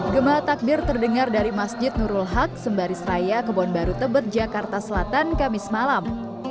gemah takbir terdengar dari masjid nurul haq sembaris raya kebonbaru tebet jakarta selatan kamis malam